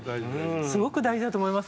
すごく大事だと思います。